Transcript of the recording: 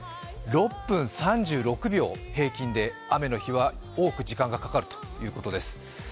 ６分３６秒、平均で雨の日は多く時間がかかるということです。